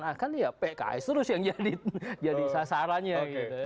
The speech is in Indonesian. seakan akan ya pks terus yang jadi sasarannya